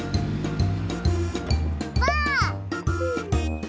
ばあっ！